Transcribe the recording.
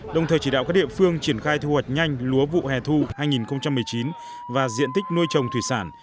đồng thời chỉ đạo các địa phương triển khai thu hoạch nhanh lúa vụ hè thu hai nghìn một mươi chín và diện tích nuôi trồng thủy sản